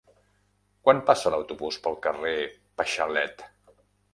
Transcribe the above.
Quan passa l'autobús pel carrer Paixalet?